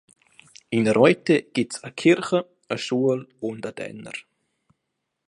In Reute gibt es eine Kirche, eine Schule und den Denner.